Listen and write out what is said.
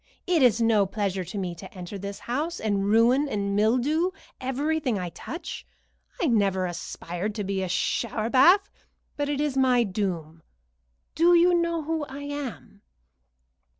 It is no pleasure to me to enter this house, and ruin and mildew everything I touch. I never aspired to be a shower bath, but it is my doom. Do you know who I am?"